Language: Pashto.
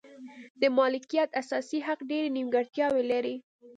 د مالکیت اساسي حق ډېرې نیمګړتیاوې لري.